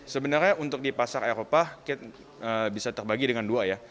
sebenarnya untuk di pasar eropa bisa terbagi dengan dua ya